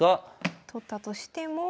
取ったとしても。